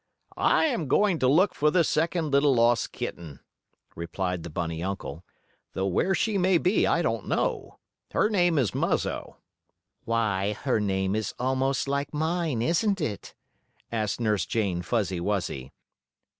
"I am going to look for the second little lost kitten," replied the bunny uncle, "though where she may be I don't know. Her name is Muzzo." "Why, her name is almost like mine, isn't it?" asked Nurse Jane Fuzzy Wuzzy.